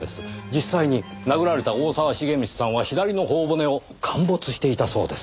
実際に殴られた大沢重光さんは左の頬骨を陥没していたそうです。